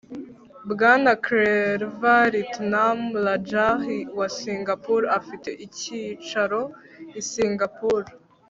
bwana chelva retnam rajah, wa singapore, afite icyicaro i singapore